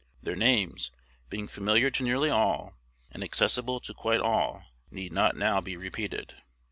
Their names, being familiar to nearly all, and accessible to quite all, need not now be repeated.